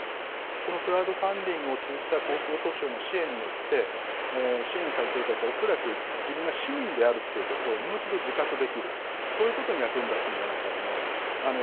このクラウドファンディングを通じた公共訴訟の支援によって、支援されている方たちは恐らく自分が市民であるということをもう一度自覚できる、そういうことに役に立つんじゃないかと思います。